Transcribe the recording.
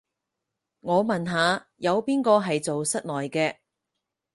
我問下，有邊個係做室內嘅